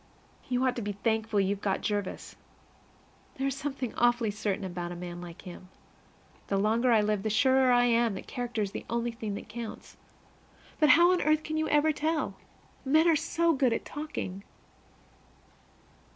You ought to be thankful you've got Jervis. There is something awfully certain about a man like him. The longer I live, the surer I am that character is the only thing that counts. But how on earth can you ever tell? Men are so good at talking!